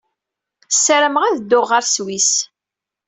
Ssarameɣ ad dduɣ ɣer Sswis.